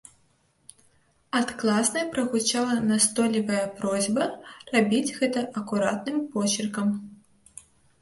Ад класнай прагучала настойлівая просьба рабіць гэта акуратным почыркам.